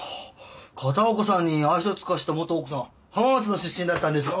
片岡さんに愛想尽かした元奥さん浜松の出身だったんですね。